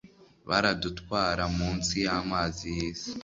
baradutwara munsi y'amazi y'isi